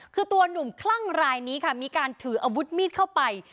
คือตัวหนุ่มคลั่งรายนี้ค่ะมีการถืออาวุธมีดเข้าไป